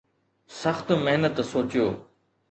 سخت محنت سوچيو